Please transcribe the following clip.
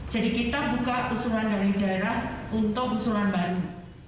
jadi kita buka usulan dari daerah untuk usulan baru